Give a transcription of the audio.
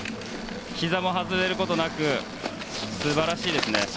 ひざも外れることなく素晴らしいですね。